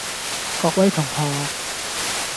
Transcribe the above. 各位同學